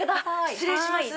失礼します。